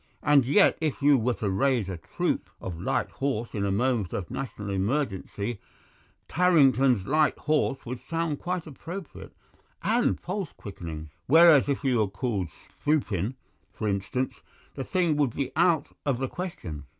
And yet if you were to raise a troop of light horse in a moment of national emergency, 'Tarrington's Light Horse' would sound quite appropriate and pulse quickening; whereas if you were called Spoopin, for instance, the thing would be out of the question.